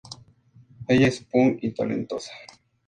Ella es punk y talentosa.